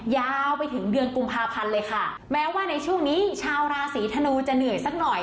ยาวไปถึงเดือนกุมภาพันธ์เลยค่ะแม้ว่าในช่วงนี้ชาวราศีธนูจะเหนื่อยสักหน่อย